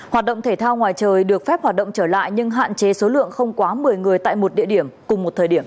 hoạt động thể thao ngoài trời được phép hoạt động trở lại nhưng hạn chế số lượng không quá một mươi người tại một địa điểm cùng một thời điểm